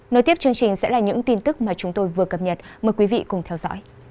nối tiếp chương trình sẽ là những tin tức mà chúng tôi vừa cập nhật mời quý vị cùng theo dõi